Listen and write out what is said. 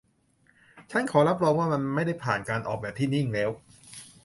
ฉันขอรับรองว่ามันไม่ได้ผ่านการออกแบบที่นิ่งแล้ว